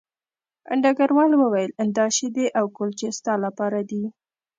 ډګروال وویل دا شیدې او کلچې ستا لپاره دي